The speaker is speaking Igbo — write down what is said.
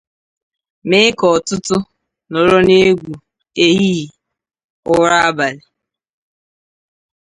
mee ka ọtụtụ nọrọ n'egwù ehighị ụra abalị